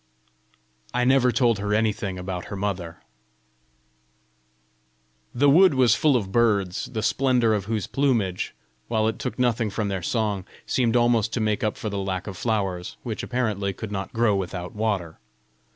I never told her anything about her mother. The wood was full of birds, the splendour of whose plumage, while it took nothing from their song, seemed almost to make up for the lack of flowers which, apparently, could not grow without water.